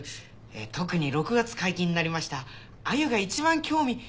特に６月解禁になりましたアユがいちばん興味。